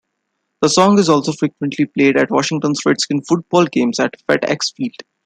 The song is also frequently played at Washington Redskins football games at FedExField.